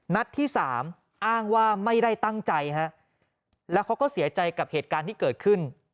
นัดที่สามอ้างว่าไม่ได้ตั้งใจฮะแล้วเขาก็เสียใจกับเหตุการณ์ที่เกิดขึ้น